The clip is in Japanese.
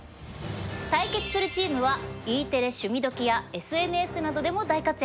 対決するチームはＥテレ「趣味どきっ！」やＳＮＳなどでも大活躍